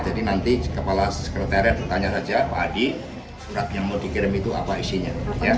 jadi nanti kepala sekretariat bertanya saja pak adi surat yang mau dikirim itu apa isinya